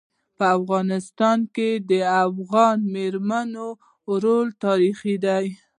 په افغانستان کي د افغان میرمنو رول تاریخي دی.